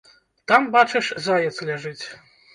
Там, бачыш, заяц ляжыць.